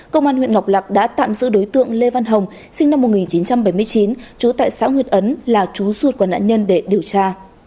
công an huyện ngọc lạc đã tạm giữ đối tượng lê văn hồng sinh năm một nghìn chín trăm bảy mươi chín trú tại xã nguyệt ấn là chú ruột của nạn nhân để điều tra